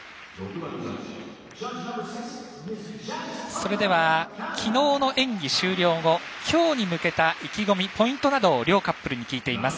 それではきのうの演技終了後きょうに向けた意気込み、ポイントなどを両カップルに聞いています。